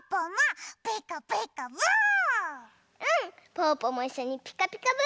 ぽぅぽもいっしょに「ピカピカブ！」